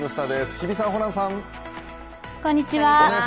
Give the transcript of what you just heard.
日比さん、ホランさん。